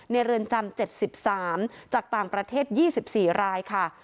เรือนจำ๗๓จากต่างประเทศ๒๔รายค่ะ